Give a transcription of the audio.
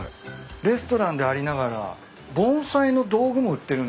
レストランでありながら盆栽の道具も売ってるんですか。